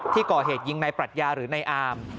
ก่อเหตุยิงในปรัชญาหรือในอาม